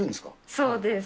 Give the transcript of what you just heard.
そうです。